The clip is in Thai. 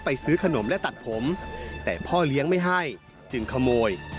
ซื้อขนมและตัดผมแต่พ่อเลี้ยงไม่ให้จึงขโมย